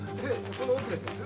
この奥です。